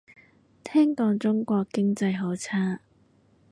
聽講中國經濟好差